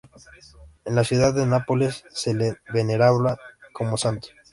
En la ciudad de Nápoles, se le veneraba como santo.